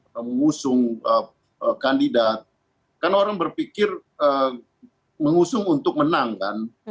mengusung kandidat kan orang berpikir mengusung untuk menang kan